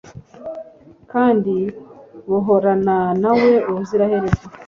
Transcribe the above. kandi buhorana na we ubuziraherezo